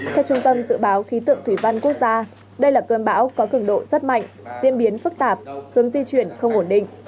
theo trung tâm dự báo khí tượng thủy văn quốc gia đây là cơn bão có cường độ rất mạnh diễn biến phức tạp hướng di chuyển không ổn định